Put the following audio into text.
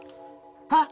あっ！